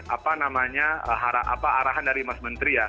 apa namanya arahan dari mas menteri ya